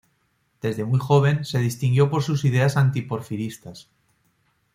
Desde muy joven se distinguió por sus ideas anti porfiristas.